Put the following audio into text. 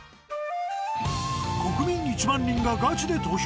国民１万人がガチで投票！